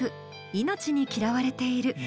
「命に嫌われている。」。